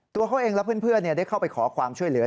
ตัวเขาเองและเพื่อนได้เข้าไปขอความช่วยเหลือ